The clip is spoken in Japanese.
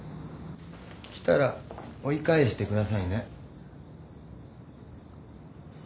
来たら追い返してくださいね。